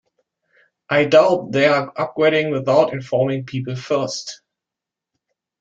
I doubt they're upgrading without informing people first.